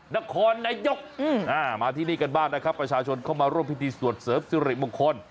นครนายกมาที่นี่กันบ้างนะครับประชาชนเข้ามาร่วมพิธีสวดเสริมสิริมงคล